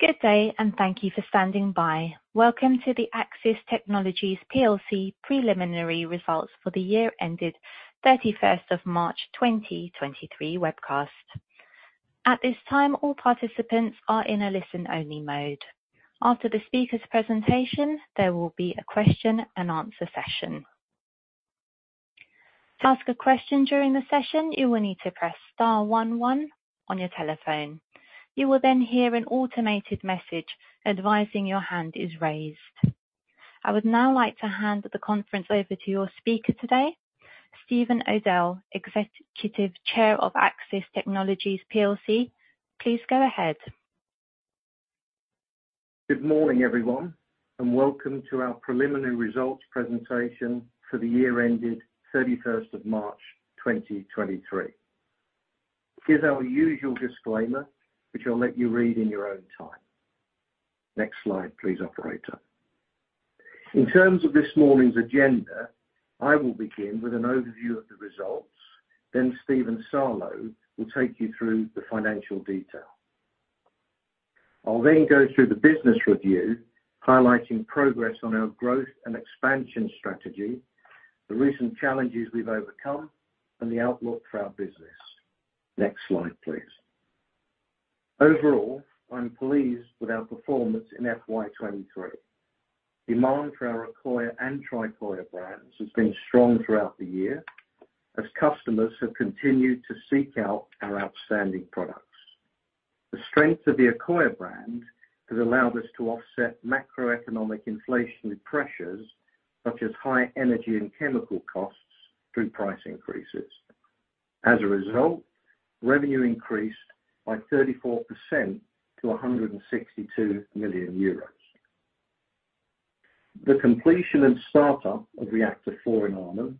Good day. Thank you for standing by. Welcome to the Accsys Technologies PLC Preliminary Results For the Year Ended 31st of March 2023 Webcast. At this time, all participants are in a listen-only mode. After the speaker's presentation, there will be a question and answer session. To ask a question during the session, you will need to press star one one on your telephone. You will hear an automated message advising your hand is raised. I would now like to hand the conference over to your speaker today, Stephen Odell, Executive Chair of Accsys Technologies PLC. Please go ahead. Good morning, everyone, welcome to our preliminary results presentation for the year ended 31st of March, 2023. Here's our usual disclaimer, which I'll let you read in your own time. Next slide, please, operator. In terms of this morning's agenda, I will begin with an overview of the results, Steven Salo will take you through the financial detail. I'll go through the business review, highlighting progress on our growth and expansion strategy, the recent challenges we've overcome, and the outlook for our business. Next slide, please. Overall, I'm pleased with our performance in FY23. Demand for our Accoya and Tricoya brands has been strong throughout the year as customers have continued to seek out our outstanding products. The strength of the Accoya brand has allowed us to offset macroeconomic inflationary pressures, such as high energy and chemical costs, through price increases. As a result, revenue increased by 34% to 162 million euros. The completion and startup of Reactor 4 in Arnhem,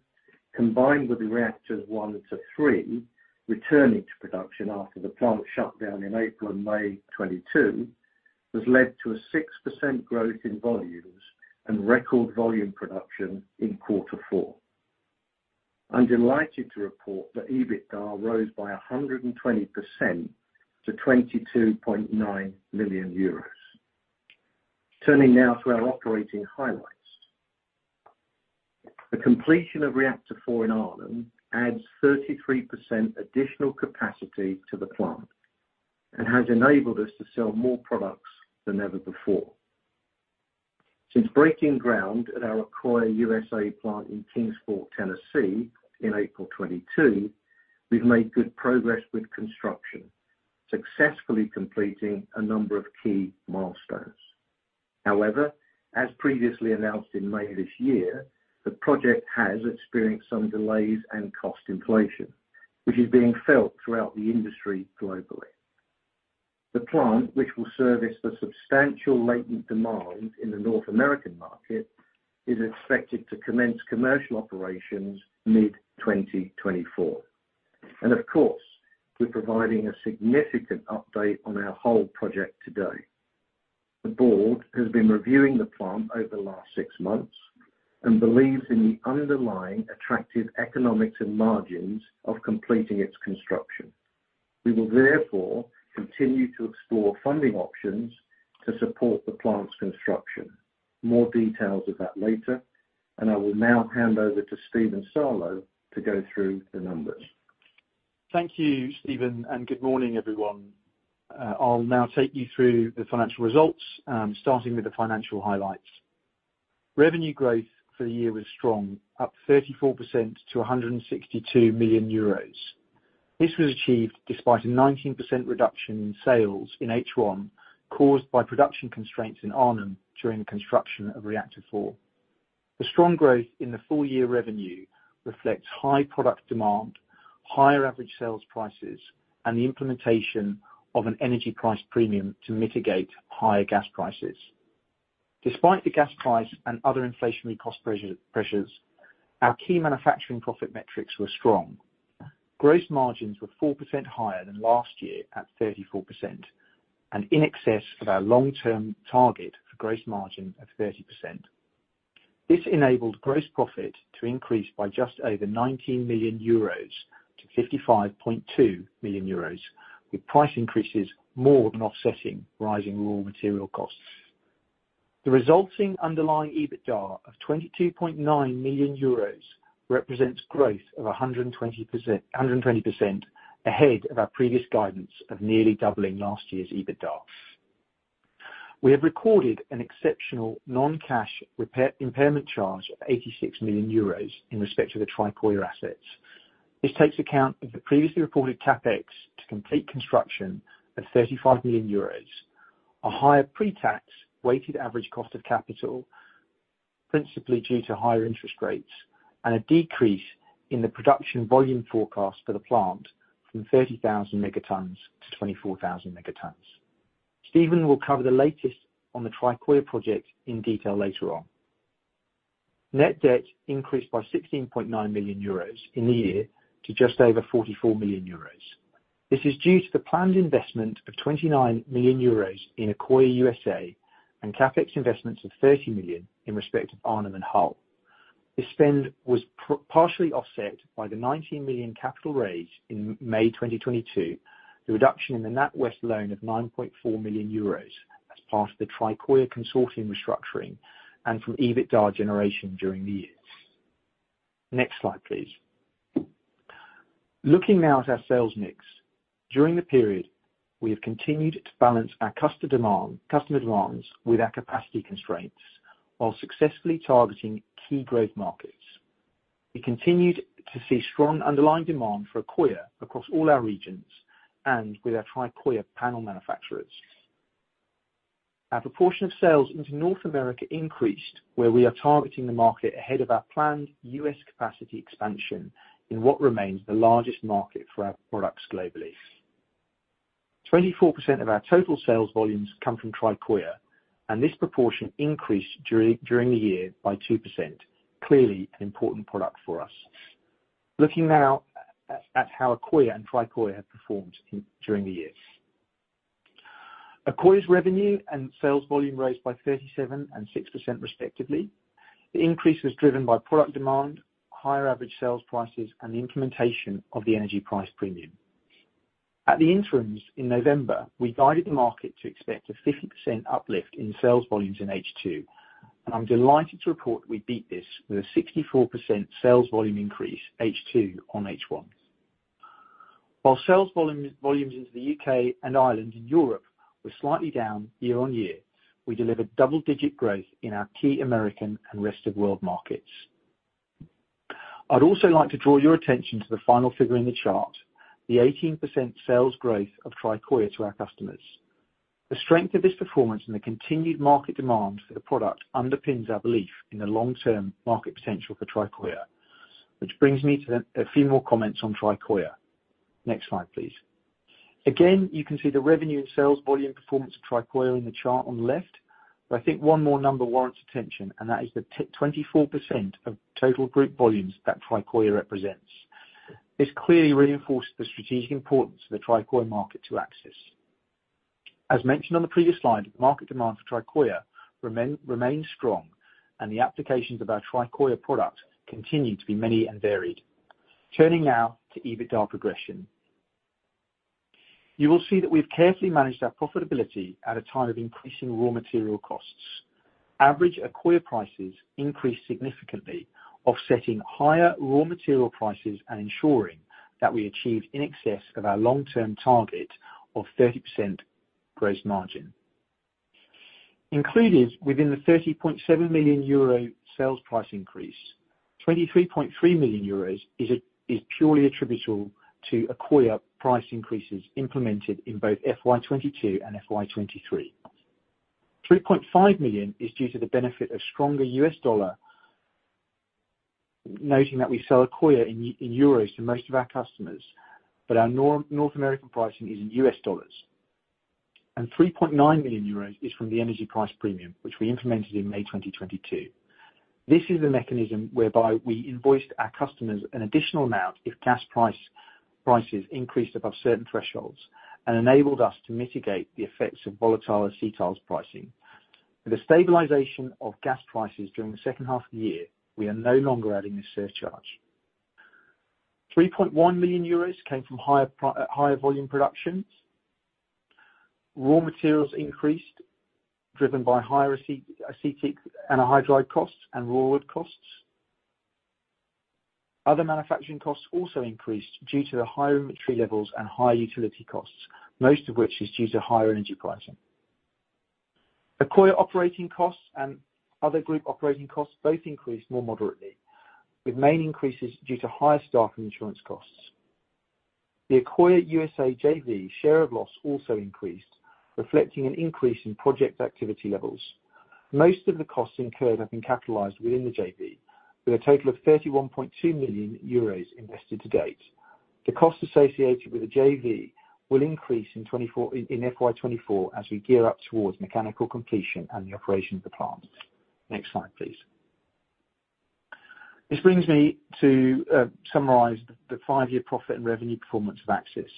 combined with the Reactors 1 to 3, returning to production after the plant shut down in April and May 2022, has led to a 6% growth in volumes and record volume production in quarter four. I'm delighted to report that EBITDA rose by 120% to 22.9 million euros. Turning now to our operating highlights. The completion of Reactor 4 in Arnhem adds 33% additional capacity to the plant and has enabled us to sell more products than ever before. Since breaking ground at our Accoya USA plant in Kingsport, Tennessee, in April 2022, we've made good progress with construction, successfully completing a number of key milestones. However, as previously announced in May this year, the project has experienced some delays and cost inflation, which is being felt throughout the industry globally. The plant, which will service the substantial latent demand in the North American market, is expected to commence commercial operations mid-2024. Of course, we're providing a significant update on our whole project today. The board has been reviewing the plant over the last six months and believes in the underlying attractive economics and margins of completing its construction. We will therefore continue to explore funding options to support the plant's construction. More details of that later. I will now hand over to Steven Salo to go through the numbers. Thank you, Stephen. Good morning, everyone. I'll now take you through the financial results, starting with the financial highlights. Revenue growth for the year was strong, up 34% to 162 million euros. This was achieved despite a 19% reduction in sales in H1, caused by production constraints in Arnhem during the construction of Reactor 4. The strong growth in the full year revenue reflects high product demand, higher average sales prices, and the implementation of an energy price premium to mitigate higher gas prices. Despite the gas price and other inflationary cost pressures, our key manufacturing profit metrics were strong. Gross margins were 4% higher than last year, at 34%, and in excess of our long-term target for gross margin of 30%. This enabled gross profit to increase by just over 19 million euros to 55.2 million euros, with price increases more than offsetting rising raw material costs. The resulting underlying EBITDA of 22.9 million euros represents growth of 120%, ahead of our previous guidance of nearly doubling last year's EBITDA. We have recorded an exceptional non-cash repair impairment charge of 86 million euros in respect to the Tricoya assets. This takes account of the previously reported CapEx to complete construction of 35 million euros, a higher pre-tax weighted average cost of capital, principally due to higher interest rates, and a decrease in the production volume forecast for the plant from 30,000 megatons to 24,000 megatons. Stephen will cover the latest on the Tricoya project in detail later on. Net debt increased by 16.9 million euros in the year to just over 44 million euros. This is due to the planned investment of 29 million euros in Accoya USA and CapEx investments of 30 million in respect of Arnhem and Hull. This spend was partially offset by the 19 million capital raise in May 2022, the reduction in the NatWest loan of 9.4 million euros as part of the Tricoya consortium restructuring, and from EBITDA generation during the year. Next slide, please. Looking now at our sales mix. During the period, we have continued to balance our customer demands with our capacity constraints, while successfully targeting key growth markets. We continued to see strong underlying demand for Accoya across all our regions and with our Tricoya panel manufacturers. Our proportion of sales into North America increased, where we are targeting the market ahead of our planned U.S. capacity expansion in what remains the largest market for our products globally. 24% of our total sales volumes come from Tricoya. This proportion increased during the year by 2%, clearly an important product for us. Looking now at how Accoya and Tricoya have performed during the year. Accoya's revenue and sales volume rose by 37% and 6%, respectively. The increase was driven by product demand, higher average sales prices, and the implementation of the energy price premium. At the interims in November, we guided the market to expect a 50% uplift in sales volumes in H2. I'm delighted to report we beat this with a 64% sales volume increase, H2 on H1. While sales volume, volumes into the UK and Ireland and Europe were slightly down year-over-year, we delivered double-digit growth in our key American and rest of world markets. I'd also like to draw your attention to the final figure in the chart, the 18% sales growth of Tricoya to our customers. The strength of this performance and the continued market demand for the product underpins our belief in the long-term market potential for Tricoya. Which brings me to a few more comments on Tricoya. Next slide, please. Again, you can see the revenue and sales volume performance of Tricoya in the chart on the left, but I think one more number warrants attention, and that is the 24% of total group volumes that Tricoya represents. This clearly reinforces the strategic importance of the Tricoya market to Accsys. As mentioned on the previous slide, the market demand for Tricoya remains strong, and the applications of our Tricoya product continue to be many and varied. Turning now to EBITDA progression. You will see that we've carefully managed our profitability at a time of increasing raw material costs. Average Accoya prices increased significantly, offsetting higher raw material prices and ensuring that we achieved in excess of our long-term target of 30% gross margin. Included within the 30.7 million euro sales price increase, 23.3 million euros is purely attributable to Accoya price increases implemented in both FY22 and FY23. $3.5 million is due to the benefit of stronger US dollar, noting that we sell Accoya in euros to most of our customers, but our North American pricing is in US dollars. 3.9 million euros is from the energy price premium, which we implemented in May 2022. This is a mechanism whereby we invoiced our customers an additional amount if prices increased above certain thresholds and enabled us to mitigate the effects of volatile acetyls pricing. With the stabilization of gas prices during the second half of the year, we are no longer adding this surcharge. 3.1 million euros came from higher volume productions. Raw materials increased, driven by higher acetic anhydride costs and raw wood costs. Other manufacturing costs also increased due to the higher inventory levels and higher utility costs, most of which is due to higher energy pricing. Accoya operating costs and other group operating costs both increased more moderately, with main increases due to higher staff and insurance costs. The Accoya USA JV share of loss also increased, reflecting an increase in project activity levels. Most of the costs incurred have been capitalized within the JV, with a total of 31.2 million euros invested to date. The costs associated with the JV will increase in FY24 as we gear up towards mechanical completion and the operation of the plant. Next slide, please. This brings me to summarize the five-year profit and revenue performance of Accsys.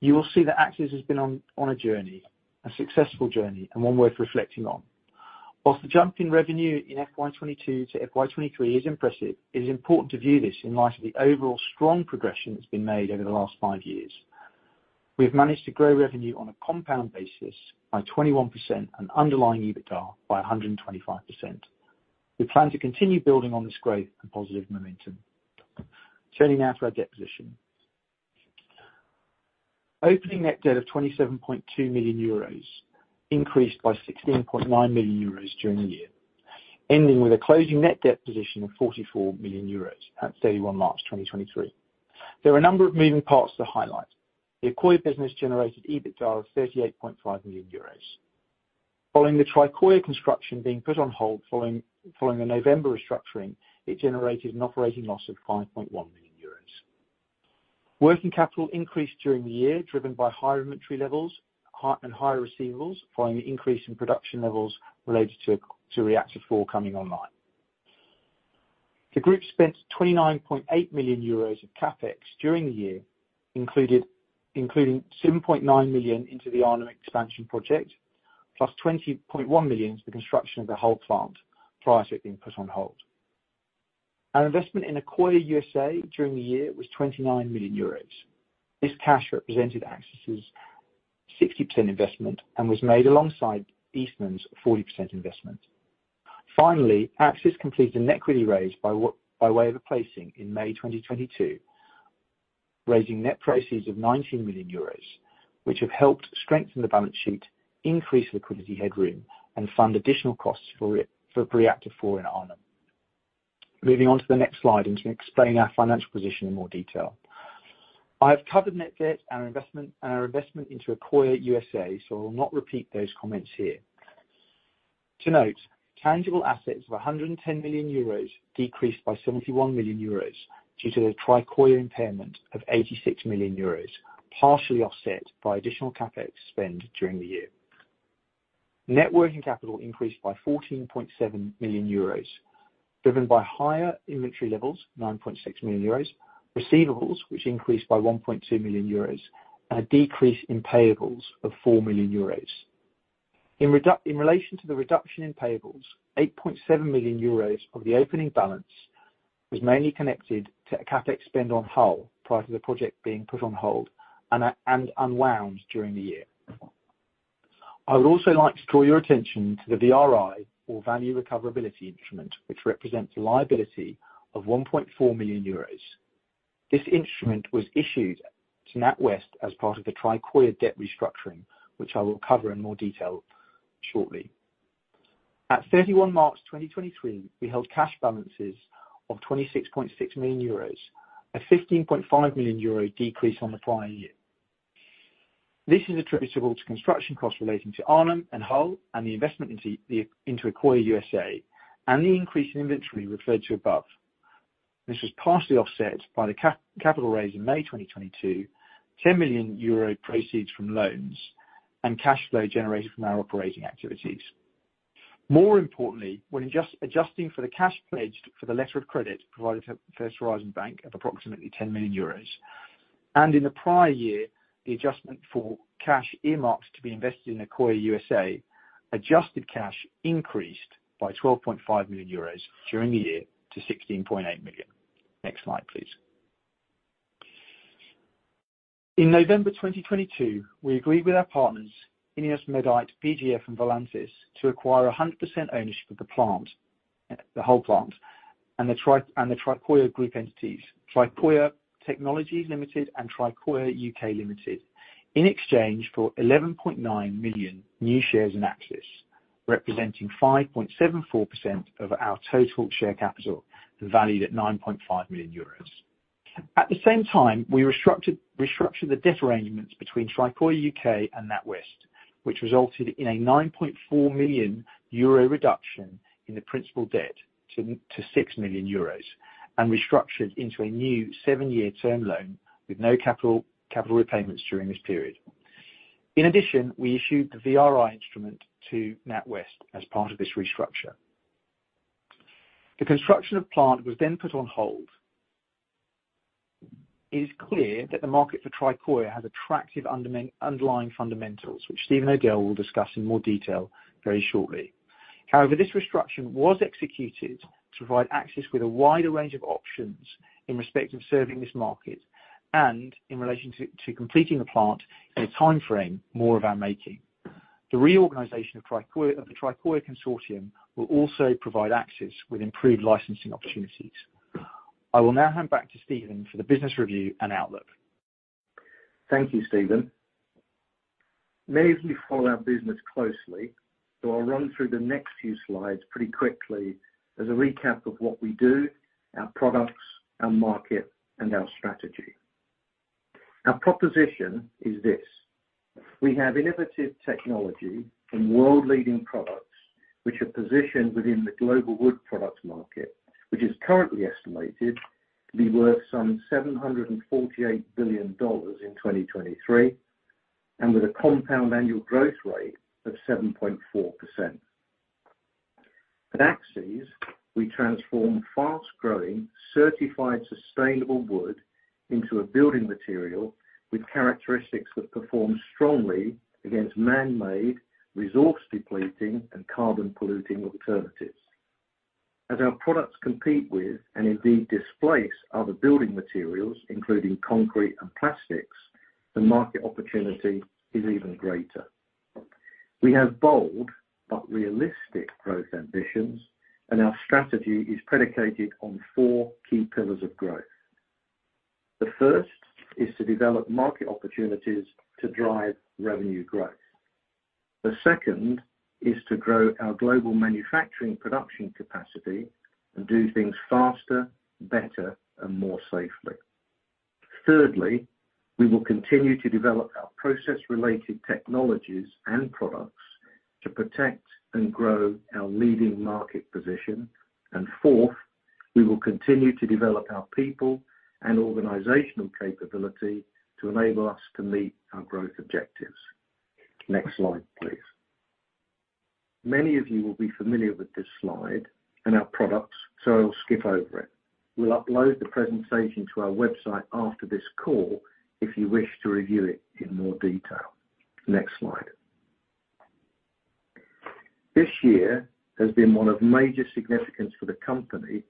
You will see that Accsys has been on a journey, a successful journey, and one worth reflecting on. While the jump in revenue in FY22 to FY23 is impressive, it is important to view this in light of the overall strong progression that's been made over the last five years. We have managed to grow revenue on a compound basis by 21% and underlying EBITDA by 125%. We plan to continue building on this growth and positive momentum. Turning now to our debt position. Opening net debt of 27.2 million euros increased by 16.9 million euros during the year, ending with a closing net debt position of 44 million euros at 31 March 2023. There are a number of moving parts to highlight. The Accoya business generated EBITDA of 38.5 million euros. Following the Tricoya construction being put on hold following the November restructuring, it generated an operating loss of 5.1 million euros. Working capital increased during the year, driven by higher inventory levels, and higher receivables, following an increase in production levels related to Reactor 4 coming online. The group spent 29.8 million euros of CapEx during the year, including 7.9 million into the Arnhem expansion project, plus 20.1 million into the construction of the Hull plant, prior to it being put on hold. Our investment in Accoya USA during the year was 29 million euros. This cash represented Accsys's 60% investment and was made alongside Eastman's 40% investment. Finally, Accsys completed a net equity raise by way of a placing in May 2022, raising net proceeds of 19 million euros, which have helped strengthen the balance sheet, increase liquidity headroom, and fund additional costs for Reactor 4 in Arnhem. Moving on to the next slide, and to explain our financial position in more detail. I have covered net debt and our investment into Accoya USA. I will not repeat those comments here. To note, tangible assets of 110 million euros decreased by 71 million euros due to the Tricoya impairment of 86 million euros, partially offset by additional CapEx spend during the year. Net working capital increased by 14.7 million euros, driven by higher inventory levels, 9.6 million euros, receivables, which increased by 1.2 million euros, and a decrease in payables of 4 million euros. In relation to the reduction in payables, 8.7 million euros of the opening balance was mainly connected to a CapEx spend on Hull, prior to the project being put on hold and unwound during the year. I would also like to draw your attention to the VRI, or Value Recovery Instrument, which represents a liability of 1.4 million euros. This instrument was issued to NatWest as part of the Tricoya debt restructuring, which I will cover in more detail shortly. At 31 March 2023, we held cash balances of 26.6 million euros, a 15.5 million euro decrease on the prior year. This is attributable to construction costs relating to Arnhem and Hull, and the investment into Accoya USA, and the increase in inventory referred to above. This was partially offset by the capital raise in May 2022, 10 million euro proceeds from loans, and cash flow generated from our operating activities. More importantly, adjusting for the cash pledged for the letter of credit provided to First Horizon Bank of approximately 10 million euros, and in the prior year, the adjustment for cash earmarked to be invested in Accoya USA, adjusted cash increased by 12.5 million euros during the year to 16.8 million. Next slide, please. In November 2022, we agreed with our partners, INEOS Medite, BGF, and Volantis, to acquire 100% ownership of the plant, the Hull plant, and the Tricoya group entities, Tricoya Technologies Limited and Tricoya UK Limited, in exchange for 11.9 million new shares in Accsys, representing 5.74% of our total share capital, valued at 9.5 million euros. We restructured the debt arrangements between Tricoya UK and NatWest, which resulted in a 9.4 million euro reduction in the principal debt to 6 million euros, and restructured into a new seven-year term loan with no capital repayments during this period. We issued the VRI instrument to NatWest as part of this restructure. The construction of plant was put on hold. It is clear that the market for Tricoya has attractive underlying fundamentals, which Stephen Odell will discuss in more detail very shortly. This restructure was executed to provide Accsys with a wider range of options in respect of serving this market and in relation to completing the plant in a timeframe more of our making. The reorganization of Tricoya consortium will also provide Accsys with improved licensing opportunities. I will now hand back to Stephen for the business review and outlook. Thank you, Steven. Many of you follow our business closely. I'll run through the next few slides pretty quickly as a recap of what we do, our products, our market, and our strategy. Our proposition is this: We have innovative technology and world-leading products which are positioned within the global wood products market, which is currently estimated to be worth some $748 billion in 2023, and with a compound annual growth rate of 7.4%. At Accsys, we transform fast-growing, certified, sustainable wood into a building material with characteristics that perform strongly against man-made, resource-depleting, and carbon-polluting alternatives. As our products compete with, and indeed displace, other building materials, including concrete and plastics, the market opportunity is even greater. We have bold but realistic growth ambitions. Our strategy is predicated on four key pillars of growth. The first is to develop market opportunities to drive revenue growth. The second is to grow our global manufacturing production capacity and do things faster, better, and more safely. Thirdly, we will continue to develop our process-related technologies and products to protect and grow our leading market position. Fourth, we will continue to develop our people and organizational capability to enable us to meet our growth objectives. Next slide, please. Many of you will be familiar with this slide and our products, so I'll skip over it. We'll upload the presentation to our website after this call, if you wish to review it in more detail. Next slide. This year has been one of major significance for the company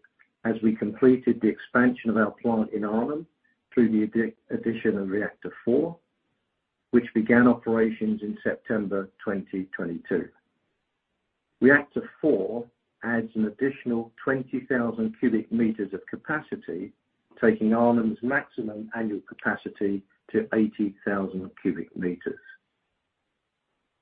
as we completed the expansion of our plant in Arnhem through the addition of Reactor 4, which began operations in September 2022. Reactor 4 adds an additional 20,000 cubic meters of capacity, taking Arnhem's maximum annual capacity to 80,000 cubic meters.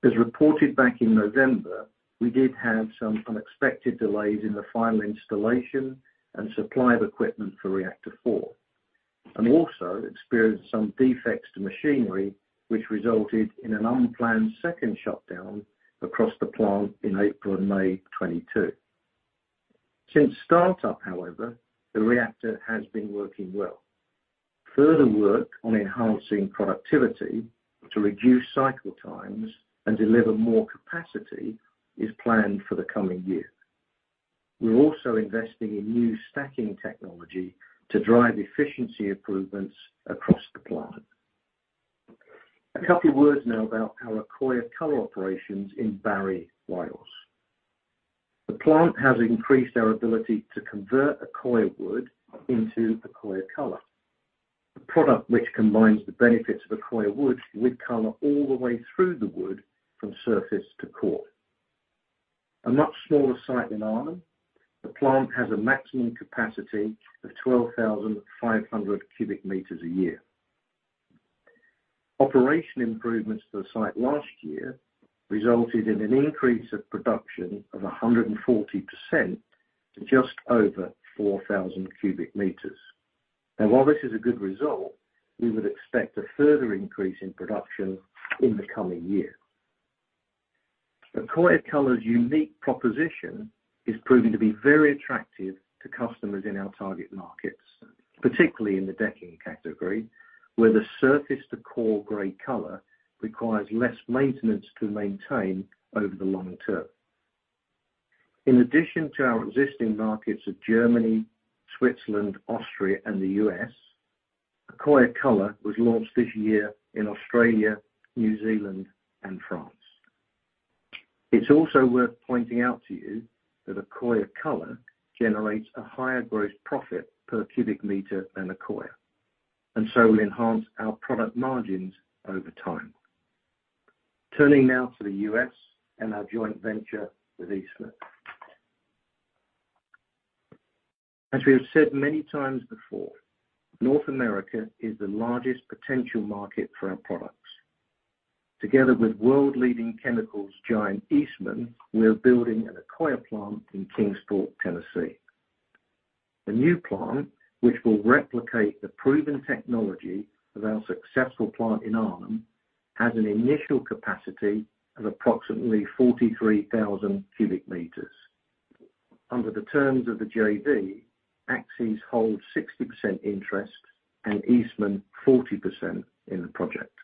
As reported back in November, we did have some unexpected delays in the final installation and supply of equipment for Reactor 4, and also experienced some defects to machinery, which resulted in an unplanned second shutdown across the plant in April and May 2022. Since startup, however, the reactor has been working well. Further work on enhancing productivity to reduce cycle times and deliver more capacity is planned for the coming year. We're also investing in new stacking technology to drive efficiency improvements across the plant. A couple of words now about our Accoya Color operations in Barry, Wales. The plant has increased our ability to convert Accoya wood into Accoya Color, a product which combines the benefits of Accoya wood with color all the way through the wood, from surface to core. A much smaller site than Arnhem, the plant has a maximum capacity of 12,500 cubic meters a year. Operation improvements to the site last year resulted in an increase of production of 140% to just over 4,000 cubic meters. While this is a good result, we would expect a further increase in production in the coming year. Accoya Color's unique proposition is proving to be very attractive to customers in our target markets, particularly in the decking category, where the surface-to-core gray color requires less maintenance to maintain over the long term. In addition to our existing markets of Germany, Switzerland, Austria, and the U.S., Accoya Color was launched this year in Australia, New Zealand, and France. It's also worth pointing out to you that Accoya Color generates a higher gross profit per cubic meter than Accoya, and so will enhance our product margins over time. Turning now to the U.S. and our joint venture with Eastman. As we have said many times before, North America is the largest potential market for our products. Together with world-leading chemicals giant Eastman, we are building an Accoya plant in Kingsport, Tennessee. The new plant, which will replicate the proven technology of our successful plant in Arnhem, has an initial capacity of approximately 43,000 cubic meters. Under the terms of the JV, Accsys holds 60% interest and Eastman 40% in the project.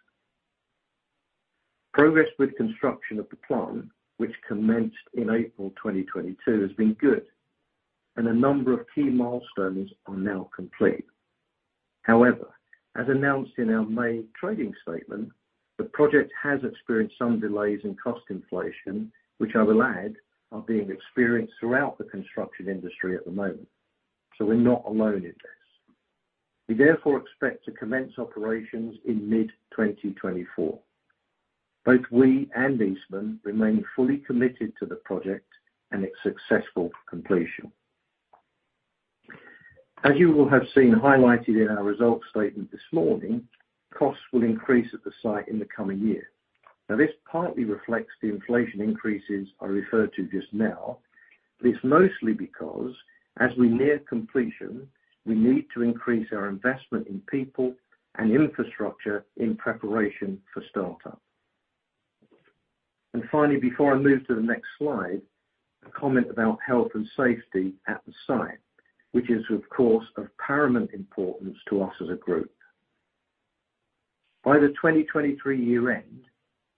Progress with construction of the plant, which commenced in April 2022, has been good, and a number of key milestones are now complete. However, as announced in our May trading statement, the project has experienced some delays in cost inflation, which I will add, are being experienced throughout the construction industry at the moment. We're not alone in this. We therefore expect to commence operations in mid-2024. Both we and Eastman remain fully committed to the project and its successful completion. As you will have seen highlighted in our results statement this morning, costs will increase at the site in the coming year. This partly reflects the inflation increases I referred to just now, but it's mostly because, as we near completion, we need to increase our investment in people and infrastructure in preparation for startup. Finally, before I move to the next slide, a comment about health and safety at the site, which is, of course, of paramount importance to us as a group. By the 2023 year end,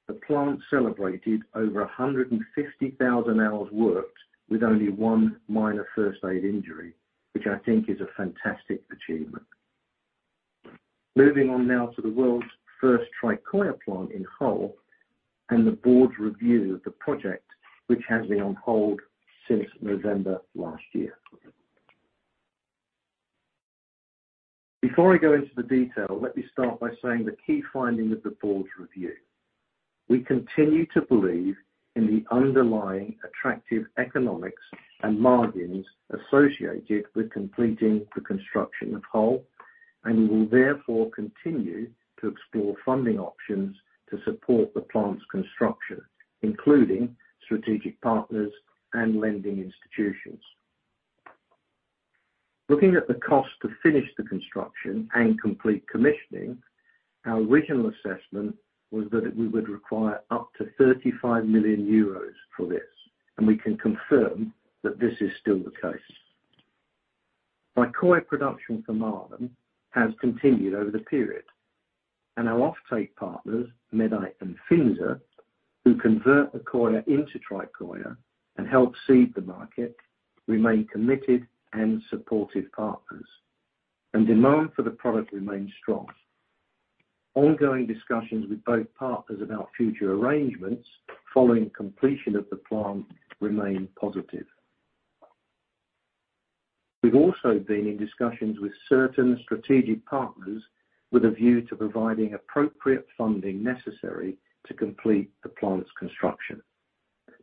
the plant celebrated over 150,000 hours worked with only one minor first aid injury, which I think is a fantastic achievement. Moving on now to the world's first Tricoya plant in Hull, and the board's review of the project, which has been on hold since November last year. Before I go into the detail, let me start by saying the key finding of the board's review. We continue to believe in the underlying attractive economics and margins associated with completing the construction of Hull, and we will therefore continue to explore funding options to support the plant's construction, including strategic partners and lending institutions. Looking at the cost to finish the construction and complete commissioning, our original assessment was that we would require up to 35 million euros for this. We can confirm that this is still the case. By Accoya production from Arnhem has continued over the period, and our offtake partners, MEDITE and FINSA, who convert Accoya into Tricoya and help seed the market, remain committed and supportive partners. Demand for the product remains strong. Ongoing discussions with both partners about future arrangements following completion of the plant remain positive. We've also been in discussions with certain strategic partners with a view to providing appropriate funding necessary to complete the plant's construction.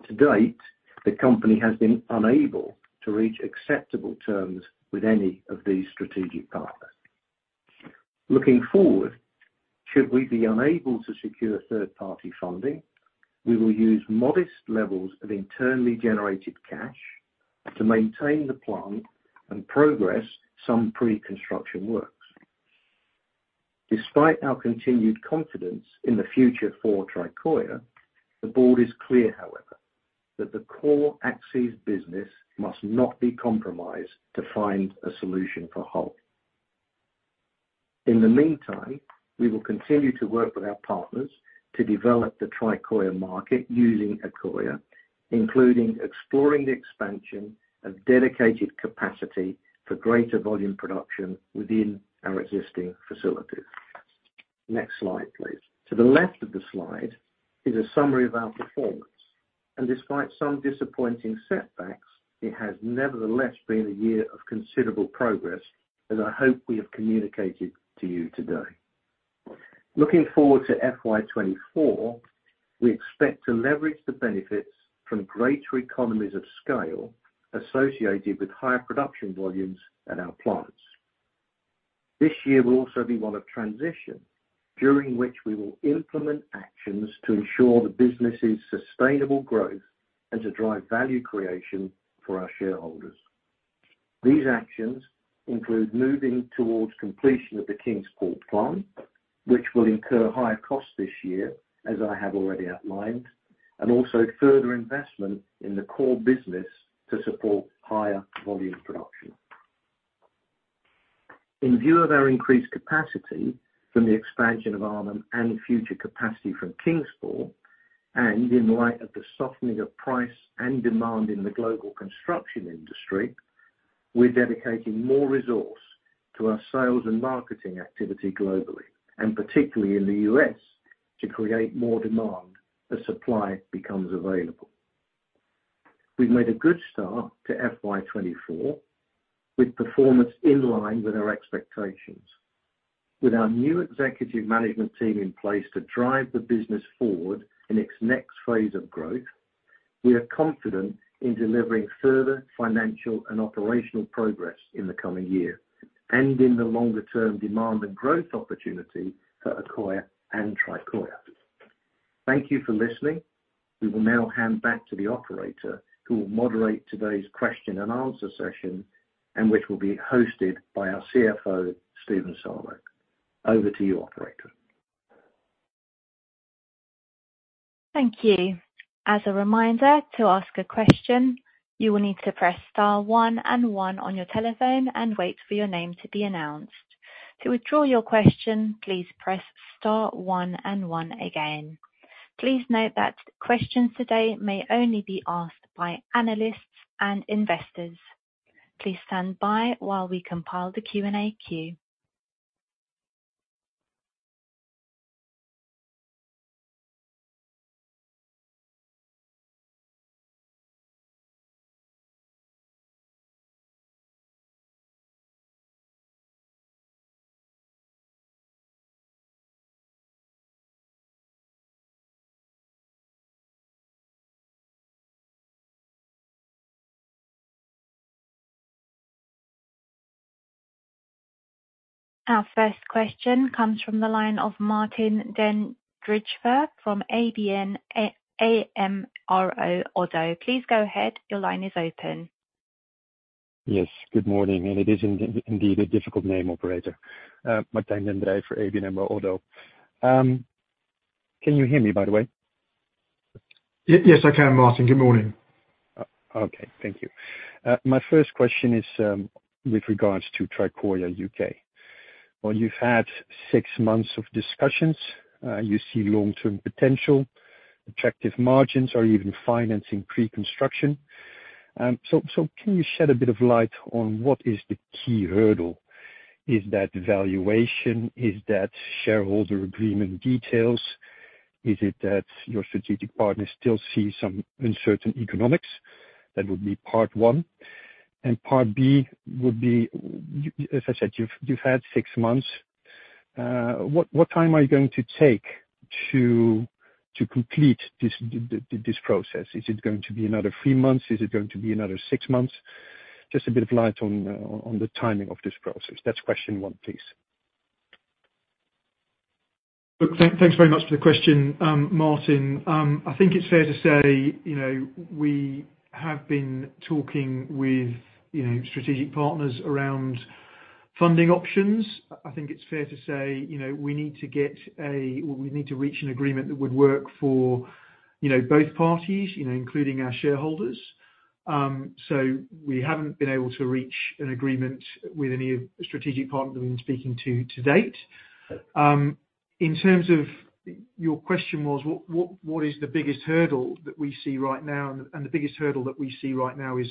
To date, the company has been unable to reach acceptable terms with any of these strategic partners. Looking forward, should we be unable to secure third-party funding, we will use modest levels of internally generated cash to maintain the plant and progress some pre-construction works. Despite our continued confidence in the future for Tricoya, the board is clear, however, that the core Accsys business must not be compromised to find a solution for Hull. In the meantime, we will continue to work with our partners to develop the Tricoya market using Accoya, including exploring the expansion of dedicated capacity for greater volume production within our existing facilities. Next slide, please. To the left of the slide is a summary of our performance, despite some disappointing setbacks, it has nevertheless been a year of considerable progress, as I hope we have communicated to you today. Looking forward to FY24, we expect to leverage the benefits from greater economies of scale associated with higher production volumes at our plants. This year will also be one of transition, during which we will implement actions to ensure the business's sustainable growth and to drive value creation for our shareholders. These actions include moving towards completion of the Kingsport plant, which will incur higher costs this year, as I have already outlined, and also further investment in the core business to support higher volume production. In view of our increased capacity from the expansion of Arnhem and future capacity from Kingsport, and in light of the softening of price and demand in the global construction industry, we're dedicating more resource to our sales and marketing activity globally, and particularly in the U.S., to create more demand as supply becomes available. We've made a good start to FY24, with performance in line with our expectations. With our new executive management team in place to drive the business forward in its next phase of growth, we are confident in delivering further financial and operational progress in the coming year, and in the longer-term demand and growth opportunity for Accoya and Tricoya. Thank you for listening. We will now hand back to the operator, who will moderate today's question and answer session, and which will be hosted by our CFO, Steven Salo. Over to you, operator. Thank you. As a reminder, to ask a question, you will need to press star one and one on your telephone and wait for your name to be announced. To withdraw your question, please press star one and one again. Please note that questions today may only be asked by analysts and investors. Please stand by while we compile the Q&A queue. Our first question comes from the line of Martijn den Drijver from ABN AMRO. Please go ahead. Your line is open. Yes, good morning, indeed a difficult name, operator. Martijn den Drijver for ABN AMRO. Can you hear me, by the way? Yes, I can, Martijn. Good morning. Okay, thank you. My first question is with regards to Tricoya UK. Well, you've had 6 months of discussions. You see long-term potential, attractive margins or even financing pre-construction. Can you shed a bit of light on what is the key hurdle? Is that valuation, is that shareholder agreement details? Is it that your strategic partners still see some uncertain economics? That would be part one. Part B would be, as I said, you've had 6 months. What time are you going to take to complete this process? Is it going to be another 3 months? Is it going to be another 6 months? Just a bit of light on the timing of this process. That's question one, please. Thanks very much for the question, Martijn. I think it's fair to say, you know, we have been talking with, you know, strategic partners....funding options, I think it's fair to say, you know, we need to reach an agreement that would work for, you know, both parties, you know, including our shareholders. We haven't been able to reach an agreement with any strategic partner that we've been speaking to date. In terms of your question was, what is the biggest hurdle that we see right now? The biggest hurdle that we see right now is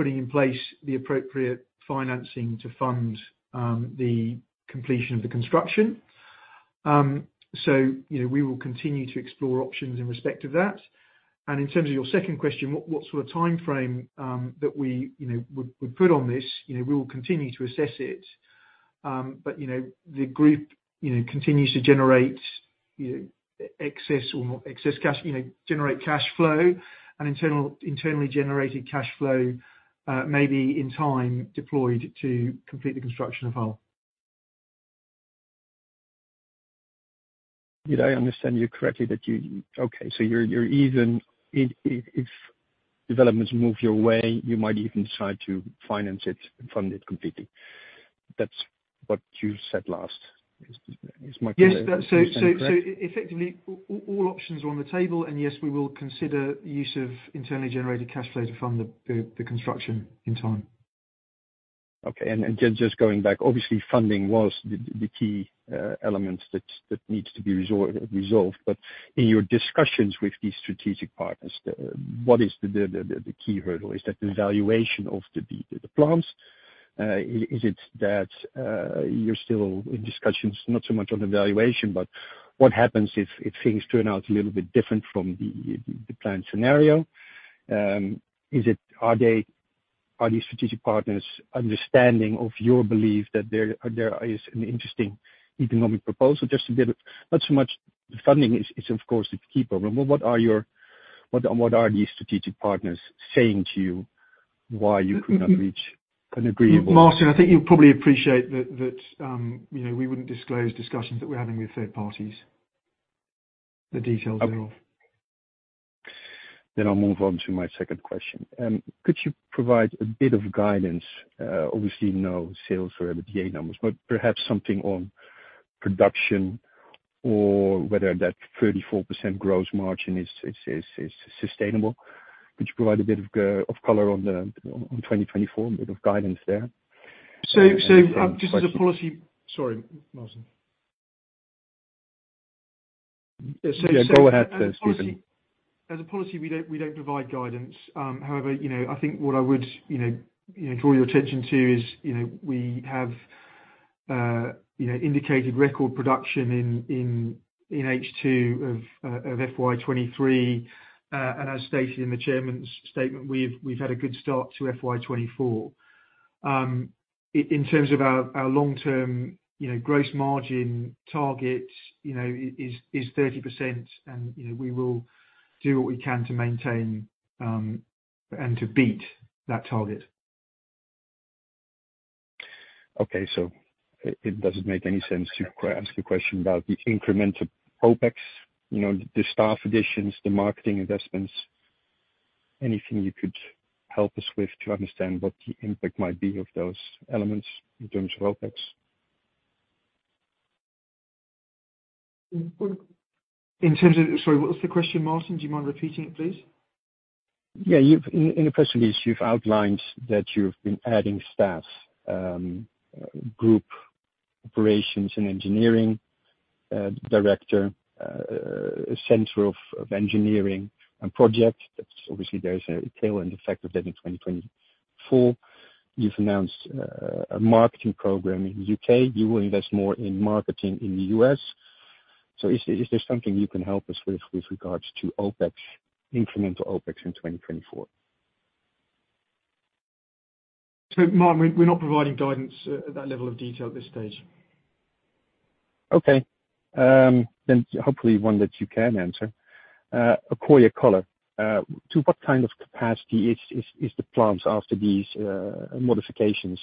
putting in place the appropriate financing to fund the completion of the construction. You know, we will continue to explore options in respect of that. In terms of your second question, what's the timeframe that we, you know, would put on this? You know, we will continue to assess it, you know, the group, you know, continues to generate, you know, excess or more excess cash, you know, generate cash flow, and internally generated cash flow, maybe in time, deployed to complete the construction of Hull. Did I understand you correctly that you, okay, so you're even if developments move your way, you might even decide to finance it and fund it completely? That's what you said last. Is my? Yes, that's so effectively, all options are on the table, and yes, we will consider the use of internally generated cash flow to fund the construction in time. Okay, and just going back, obviously, funding was the key elements that needs to be resolved. In your discussions with these strategic partners, what is the key hurdle? Is that the valuation of the plants? Is it that you're still in discussions, not so much on the valuation, but what happens if things turn out a little bit different from the planned scenario? Are these strategic partners understanding of your belief that there is an interesting economic proposal? Just a bit, not so much, the funding is of course the key problem. What are these strategic partners saying to you why you could not reach an agreeable? Martijn, I think you'll probably appreciate that, you know, we wouldn't disclose discussions that we're having with third parties, the details of. I'll move on to my second question. Could you provide a bit of guidance? Obviously, no sales or EBITDA numbers, but perhaps something on production, or whether that 34% gross margin is sustainable. Could you provide a bit of color on 2024, a bit of guidance there? just as a policy... Sorry, Martijn. Yeah, go ahead, Steven. As a policy, we don't provide guidance. However, you know, I think what I would, you know, draw your attention to is, you know, we have, you know, indicated record production in H2 of FY23. As stated in the chairman's statement, we've had a good start to FY24. In terms of our long-term, you know, gross margin target, you know, is 30%, and, you know, we will do what we can to maintain and to beat that target. Okay, so it doesn't make any sense to ask a question about the incremental OpEx, you know, the staff additions, the marketing investments. Anything you could help us with to understand what the impact might be of those elements in terms of OpEx? Sorry, what was the question, Martijn? Do you mind repeating it, please? Yeah, you've, in the press release, you've outlined that you've been adding staff, group operations and engineering director, a center of engineering and projects. Obviously, there is a tailend effect of that in 2024. You've announced a marketing program in the UK. You will invest more in marketing in the US. Is there something you can help us with regards to OpEx, incremental OpEx in 2024? Martin, we're not providing guidance at that level of detail at this stage. Okay. Then hopefully one that you can answer. Accoya Color, to what kind of capacity is the plant after these modifications?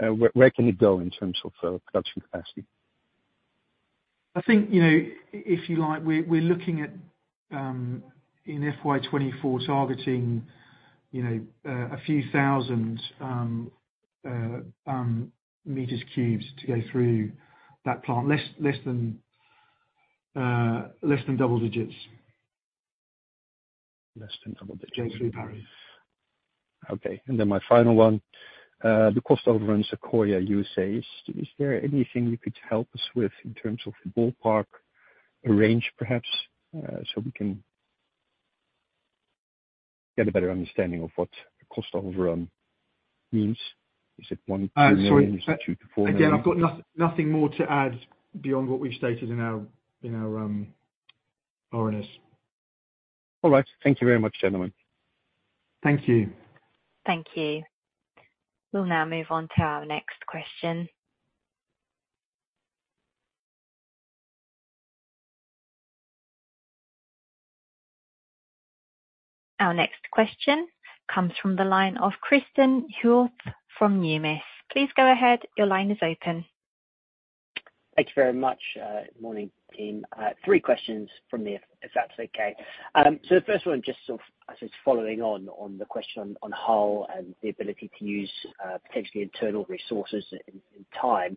Where can it go in terms of production capacity? I think, you know, if you like, we're looking at, in FY24 targeting, you know, a few thousand meters cubed, to go through that plant, less than double digits. Less than double digits. Going through Paris. Okay, my final one: the cost overruns Accoya, you say, is there anything you could help us with in terms of a ballpark, a range, perhaps, so we can get a better understanding of what the cost overrun means? Sorry. EUR 2 million-4 million? I've got nothing more to add beyond what we've stated in our RNS. All right. Thank you very much, gentlemen. Thank you. Thank you. We'll now move on to our next question. Our next question comes from the line of Kristen Hupe from Numis. Please go ahead. Your line is open.... Thanks very much. Morning, team. I have three questions from me, if that's okay. So the first one, just sort of, I guess, following on the question on Hull and the ability to use, potentially internal resources in time.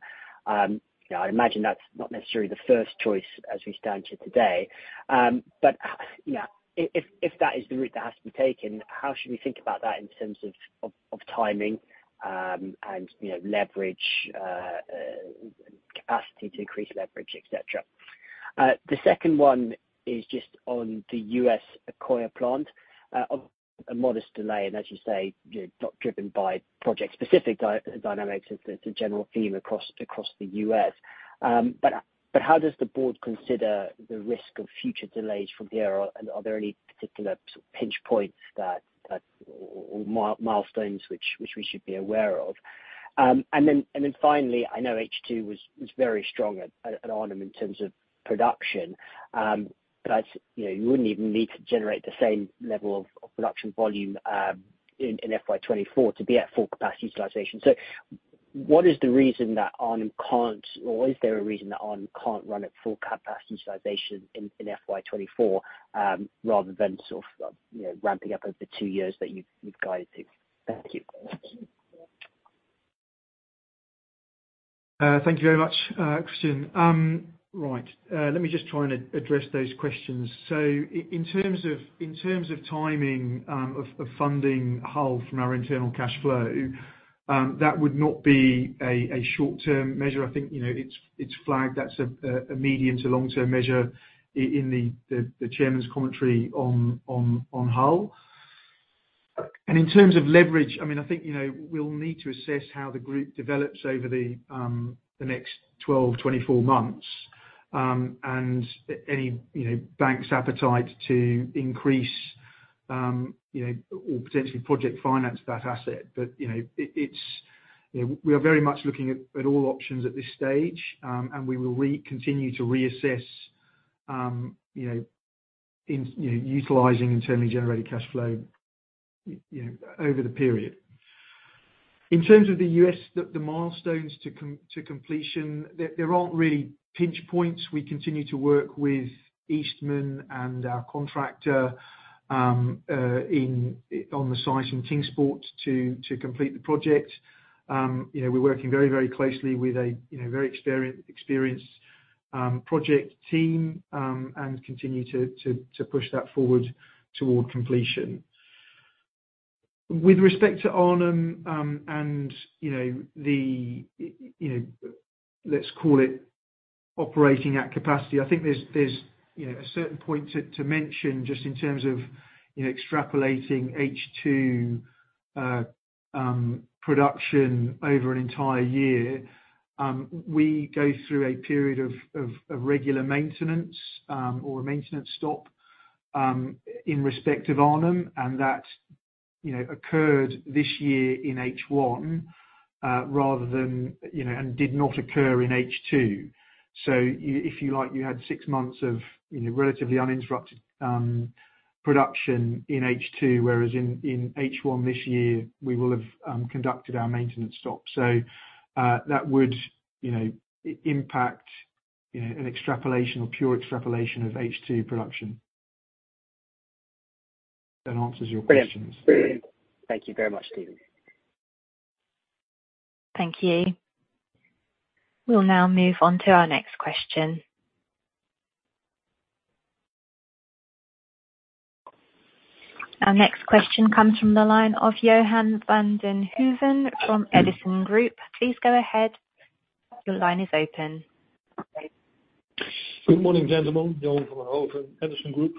You know, I imagine that's not necessarily the first choice as we stand here today, but, you know, if that is the route that has to be taken, how should we think about that in terms of timing, and, you know, leverage, capacity to increase leverage, et cetera? The second one is just on the US Accoya plant, of a modest delay, and as you say, you know, not driven by project-specific dynamics, it's a general theme across the US. How does the board consider the risk of future delays from there, and are there any particular sort of pinch points or milestones we should be aware of? Then finally, I know H2 was very strong at Arnhem in terms of production. You know, you wouldn't even need to generate the same level of production volume in FY24 to be at full capacity utilization. What is the reason that Arnhem can't, or is there a reason that Arnhem can't run at full capacity utilization in FY24, rather than sort of, you know, ramping up over the 2 years that you've guided to? Thank you. Thank you very much, Kristen. Right, let me just try and address those questions. In terms of timing of funding Hull from our internal cash flow, that would not be a short-term measure. I think, you know, it's flagged that's a medium to long-term measure in the chairman's commentary on Hull. In terms of leverage, I mean, I think, you know, we'll need to assess how the group develops over the next 12, 24 months. Any, you know, bank's appetite to increase, you know, or potentially project finance that asset. You know, it's... You know, we are very much looking at all options at this stage, and we will continue to reassess, you know, in, you know, utilizing internally generated cash flow, you know, over the period. In terms of the US, the milestones to completion, there aren't really pinch points. We continue to work with Eastman and our contractor, on the site in Kingsport to complete the project. You know, we're working very closely with a, you know, very experienced project team, and continue to push that forward toward completion. With respect to Arnhem, and, you know, the, you know, let's call it operating at capacity, I think there's, you know, a certain point to mention, just in terms of, you know, extrapolating H2 production over an entire year. We go through a period of regular maintenance, or a maintenance stop, in respect of Arnhem, and that, you know, occurred this year in H1, rather than, you know, and did not occur in H2. If you like, you had six months of, you know, relatively uninterrupted production in H2, whereas in H1 this year, we will have conducted our maintenance stop. That would, you know, impact, you know, an extrapolation or pure extrapolation of H2 production. That answers your questions. Brilliant. Thank you very much, Steven. Thank you. We'll now move on to our next question. Our next question comes from the line of Johan van den Hooven, from Edison Group. Please go ahead. The line is open. Good morning, gentlemen, Johan van den Hooven, Edison Group.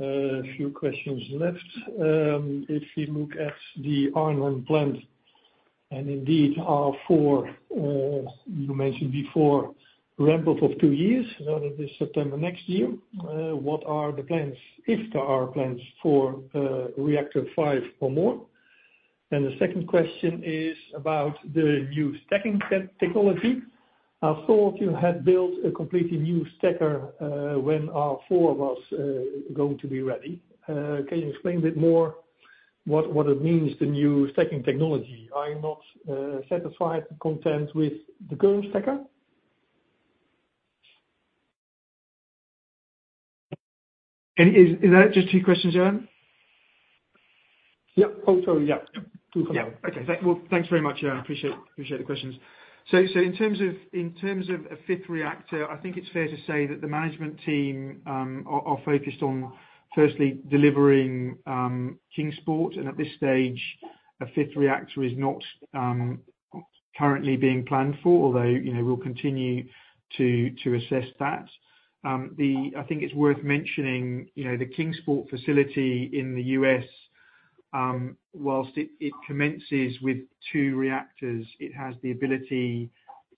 A few questions left. If you look at the Arnhem plant, and indeed, R4, you mentioned before, ramp up of 2 years, rather than September next year. What are the plans, if there are plans for reactor 5 or more? The second question is about the new stacking technology. I thought you had built a completely new stacker, when R4 was going to be ready. Can you explain a bit more what it means, the new stacking technology? Are you not satisfied and content with the current stacker? Is that just 2 questions, Johan? Yeah. Oh, sorry, yeah. Yeah. Okay. Well, thanks very much, Johan. Appreciate the questions. In terms of a fifth reactor, I think it's fair to say that the management team are focused on firstly delivering Kingsport, at this stage, a fifth reactor is not currently being planned for, although, you know, we'll continue to assess that. I think it's worth mentioning, you know, the Kingsport facility in the U.S., whilst it commences with 2 reactors, it has the ability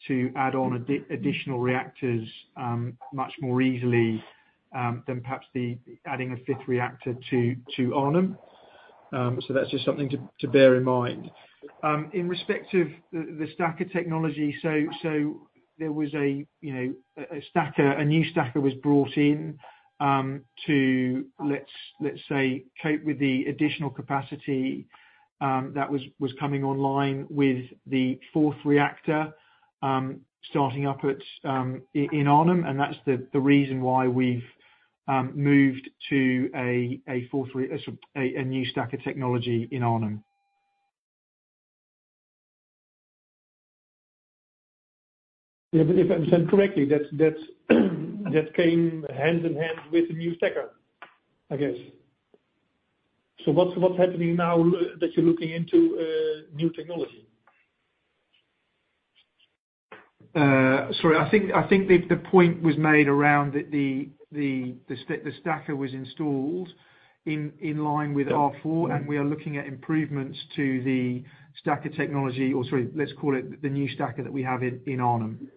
to add on additional reactors much more easily than perhaps the adding a fifth reactor to Arnhem. That's just something to bear in mind. In respect of the stacker technology, there was a, you know, a stacker, a new stacker was brought in, to, let's say, cope with the additional capacity that was coming online with the fourth reactor, starting up at, in Arnhem. That's the reason why we've moved to a four three, a new stack of technology in Arnhem. Yeah, if I understand correctly, that's that came hand in hand with the new stacker, I guess. What's happening now that you're looking into new technology? Sorry, I think the point was made around that the stacker was installed in line with R4. We are looking at improvements to the stacker technology, or sorry, let's call it the new stacker that we have in Arnhem.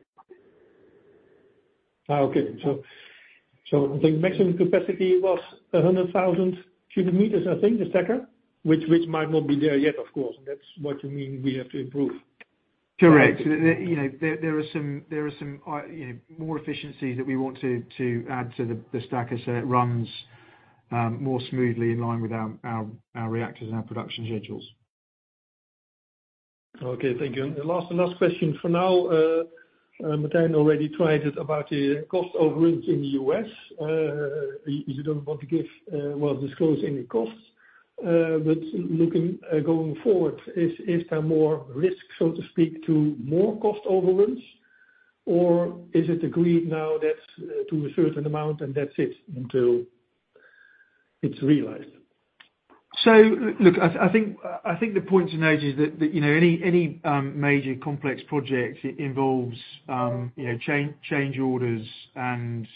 Okay. The maximum capacity was 100,000 cubic meters, I think, the stacker? Which might not be there yet, of course. That's what you mean we have to improve. Correct. You know, there are some, you know, more efficiencies that we want to add to the stacker, so it runs more smoothly in line with our reactors and our production schedules. Okay, thank you. The last and last question for now, Martijn already tried it about the cost overruns in the U.S. You don't want to give, well, disclose any costs, but looking going forward, is there more risk, so to speak, to more cost overruns? Or is it agreed now that's to a certain amount, and that's it until it's realized? Look, I think the point to note is that, you know, any major complex project involves, you know, change orders and,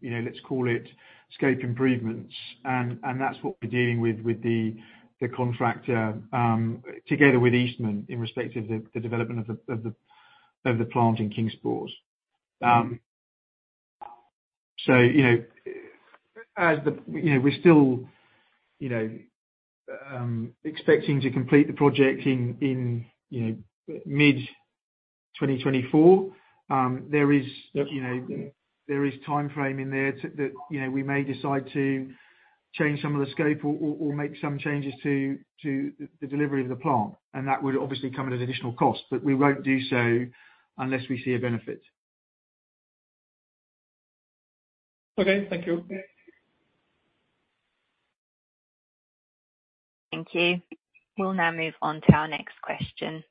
you know, let's call it scope improvements. That's what we're dealing with the contractor, together with Eastman, in respect of the development of the plant in Kingsport. You know, as the... You know, we're still, you know, expecting to complete the project in, you know, mid-2024. Yep. you know, there is timeframe in there that, you know, we may decide to change some of the scope or make some changes to the delivery of the plant. That would obviously come at an additional cost, but we won't do so unless we see a benefit. Okay, thank you. Thank you. We'll now move on to our next question.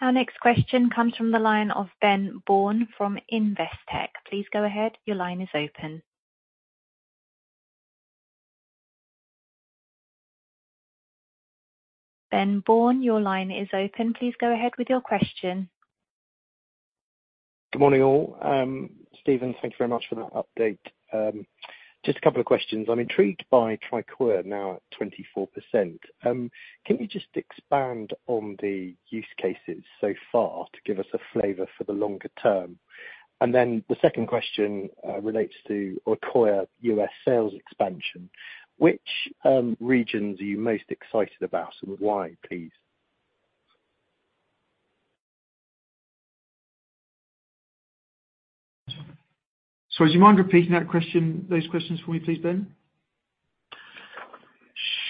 Our next question comes from the line of Ben Bourne from Investec. Please go ahead. Ben Bourne, your line is open. Please go ahead with your question. Good morning, all. Steven, thank you very much for that update. Just a couple of questions. I'm intrigued by Tricoya, now at 24%. Can you just expand on the use cases so far to give us a flavor for the longer term? Then the second question relates to Accoya U.S. sales expansion. Which regions are you most excited about, and why, please? Sorry, do you mind repeating that question, those questions for me, please, Ben?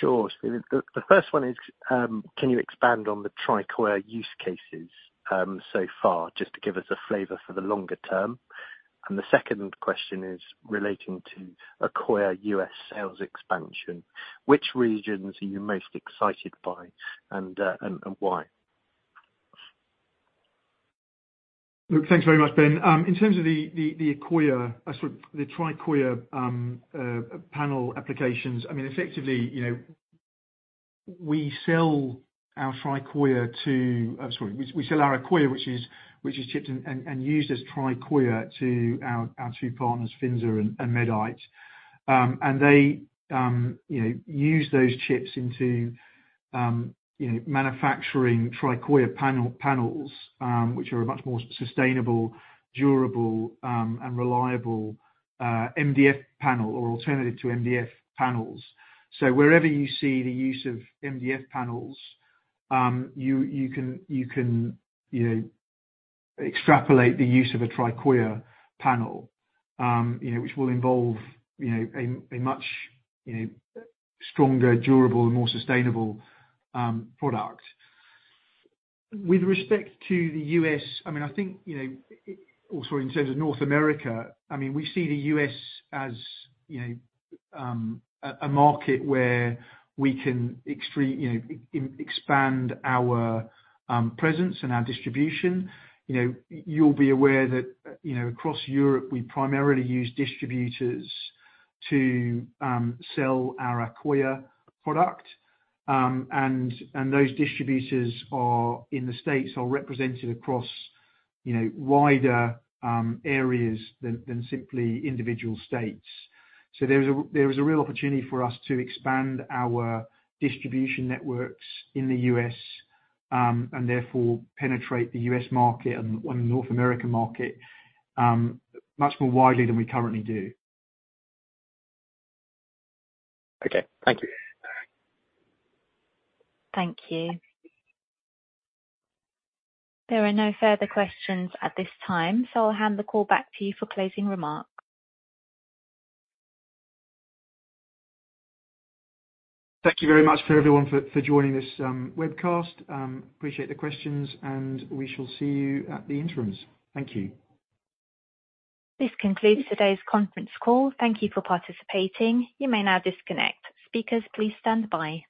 Sure. The first one is, can you expand on the Tricoya use cases so far, just to give us a flavor for the longer term? The second question is relating to Accoya US sales expansion. Which regions are you most excited by, and why? Look, thanks very much, Ben. In terms of the Accoya, sorry, the Tricoya panel applications, I mean, effectively, you know, we sell our Accoya, which is chipped and used as Tricoya to our two partners, FINSA and MEDITE. They, you know, use those chips into, you know, manufacturing Tricoya panels, which are a much more sustainable, durable, and reliable MDF panel, or alternative to MDF panels. Wherever you see the use of MDF panels, you can, you know, extrapolate the use of a Tricoya panel, you know, which will involve, you know, a much stronger, durable, and more sustainable product. With respect to the US, I mean, I think, you know, oh, sorry, in terms of North America, I mean, we see the US as, you know, a market where we can You know, expand our presence and our distribution. You know, you'll be aware that, you know, across Europe, we primarily use distributors to sell our Accoya product. And those distributors are, in the States, are represented across, you know, wider areas than simply individual states. There is a real opportunity for us to expand our distribution networks in the US, and therefore penetrate the US market and North America market, much more widely than we currently do. Okay, thank you. Thank you. There are no further questions at this time. I'll hand the call back to you for closing remarks. Thank you very much for everyone for joining this webcast. Appreciate the questions, and we shall see you at the interims. Thank you. This concludes today's conference call. Thank you for participating. You may now disconnect. Speakers, please stand by.